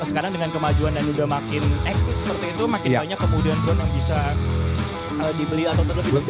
sekarang dengan kemajuan dan udah makin eksis seperti itu makin banyak kemudian pohon yang bisa dibeli atau terlebih dahulu